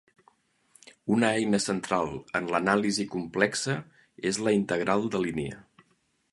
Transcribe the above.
Una eina central en l'anàlisi complexa és la integral de línia.